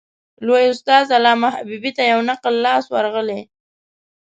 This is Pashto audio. لوی استاد علامه حبیبي ته یو نقل لاس ورغلی.